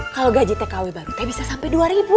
kalau gaji tkw baru teh bisa sampai dua